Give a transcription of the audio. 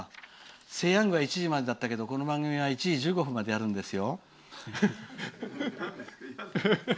「セイ！ヤング」は１時までだったけどこの番組は１時１５分までやるんですよ。